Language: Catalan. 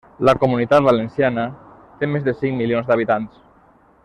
La Comunitat Valenciana té més de cinc milions d'habitants.